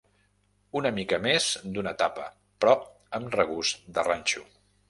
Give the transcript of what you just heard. Una mica més d'una tapa, però amb regust de ranxo.